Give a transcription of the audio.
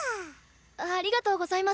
ありがとうございます